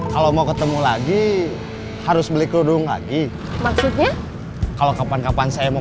kalau mau ketemu lagi harus beli kerudung lagi kalau kapan kapan saya mau